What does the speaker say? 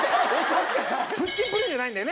プッチンプリンじゃないんだよね？